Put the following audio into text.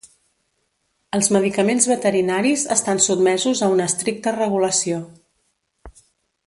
Els medicaments veterinaris estan sotmesos a una estricta regulació.